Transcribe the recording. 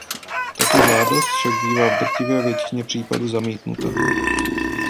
Tato žádost však bývá v drtivé většině případů zamítnuta.